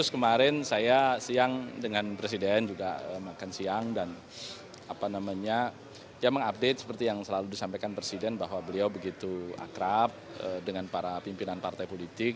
kemarin saya siang dengan presiden juga makan siang dan mengupdate seperti yang selalu disampaikan presiden bahwa beliau begitu akrab dengan para pimpinan partai politik